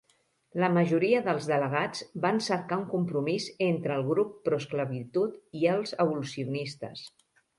La majoria dels delegats van cercar un compromís entre el grup proesclavitud i els abolicionistes.